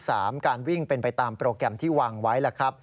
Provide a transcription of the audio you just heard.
การวิ่งเป็นไปตามโปรแกรมที่วางไว้ล่ะครับ